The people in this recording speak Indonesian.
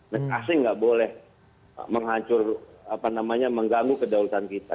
mereka asing nggak boleh menghancur apa namanya mengganggu kedaulatan kita